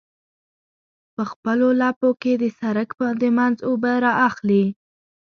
په خپلو لپو کې د سرک د منځ اوبه رااخلي.